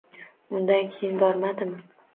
Undan keyin bormadimi